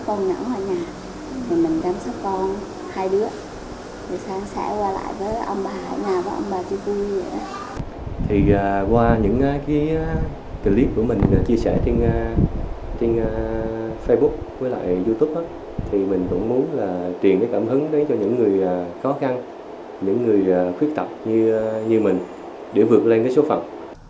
trên facebook và youtube mình cũng muốn truyền cảm hứng cho những người khó khăn những người khuyết tập như mình để vượt lên số phận